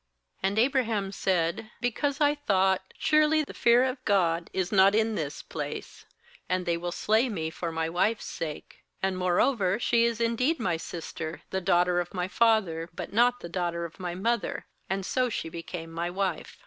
uAnd Abraham said: 'Because I thought: Surely the fear of God is not in this place; and they will slay me for my wife's sake. 12And more over she is indeed my sister, the daughter of my father, but not the daughter of my mother; and' so she became my wife.